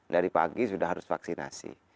dari pagi sudah harus vaksinasi